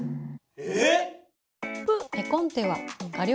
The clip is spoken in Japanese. えっ！？